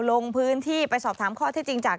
ลงพื้นที่ไปสอบถามข้อที่จริงจาก